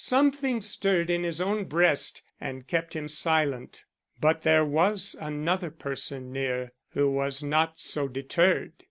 Something stirred in his own breast and kept him silent. But there was another person near who was not so deterred.